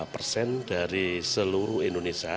dua puluh dua persen dari seluruh indonesia